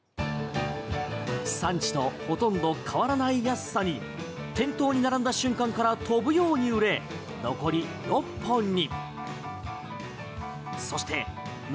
産地とほとんど変わらない安さに店頭に並んだ瞬間から飛ぶように売れ残り６本に。